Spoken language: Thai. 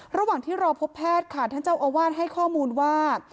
ระหว่างที่รอพบแพทย์ค่ะท่านเจ้าอาวาสให้ข้อมูลว่า